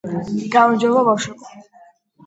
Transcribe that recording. გამარჯობა ბავშვებო